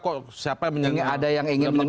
kok siapa yang menangkap